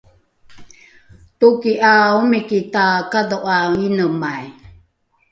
toki ’a omiki takadho’a inemai